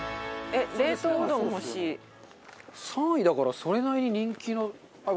３位だからそれなりに人気な。